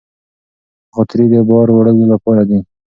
غاتري د بار وړلو لپاره دي.